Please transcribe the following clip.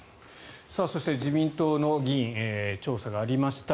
そして、自民党の議員調査がありました。